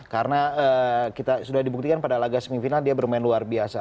karena sudah dibuktikan pada laga semifinal dia bermain luar biasa